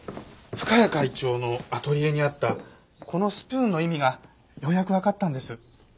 深谷会長のアトリエにあったこのスプーンの意味がようやくわかったんです。